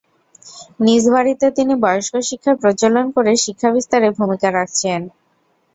নিজ বাড়িতে তিনি বয়স্ক শিক্ষার প্রচলন করে শিক্ষা বিস্তারে ভূমিকা রাখছেন।